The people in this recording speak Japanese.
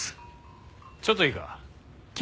ちょっといいか？